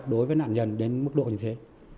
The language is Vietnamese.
đối với nạn nhân đến mức độ như thế